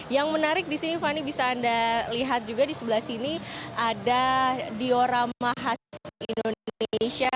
yang menarik di sini fani bisa anda lihat juga di sebelah sini ada diorama khas indonesia